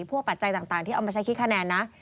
ปัจจัยต่างที่เอามาใช้คิดคะแนนนะ